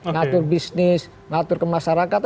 ngatur bisnis ngatur kemasyarakat